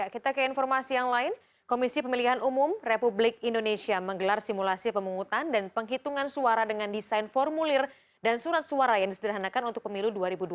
kita ke informasi yang lain komisi pemilihan umum republik indonesia menggelar simulasi pemungutan dan penghitungan suara dengan desain formulir dan surat suara yang disederhanakan untuk pemilu dua ribu dua puluh